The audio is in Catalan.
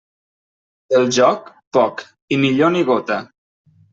Del joc, poc, i millor ni gota.